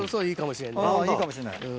いいかもしんない？